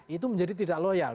itu menjadi tidak loyal